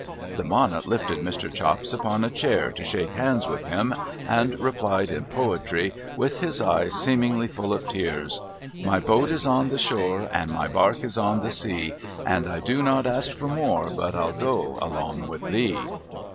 The Bonnet lifted Mr. Chops upon a chair, to shake hands with him, and replied in poetry, with his eyes seemingly full of tears ' My boat is on the shore, And my bark is on the sea, And I do not ask for more, But I'll Go :— along with thee.